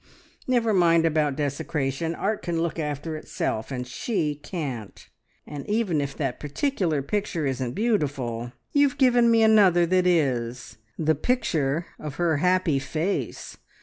Never mind about desecration. Art can look after itself, and she can't! And even if that particular picture isn't beautiful, you have given me another that is, the picture of her happy face!